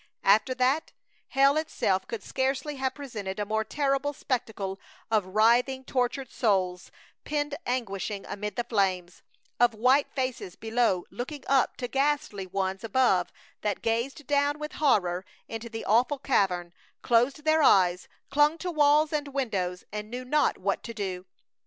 After that, hell itself could scarcely have presented a more terrible spectacle of writhing, tortured souls, pinned anguishing amid the flames; of white faces below looking up to ghastly ones above that gazed down with horror into the awful cavern, closed their eyes, clung to walls and windows, and knew not what to do!